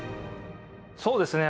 そうですね。